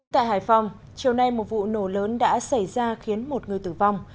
tại hải phòng chiều nay một vụ nổ lớn đã xảy ra khiến một người tử vong